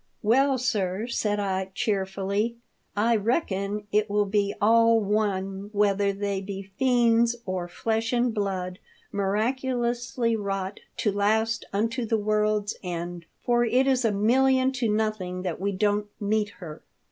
" Well, sir," said I, cheerfully, " I reckon it will be all one whether they be fiends, or flesh and blood miraculously wrought to last unto the world's end, for it is a million to nothing that we don't meet her.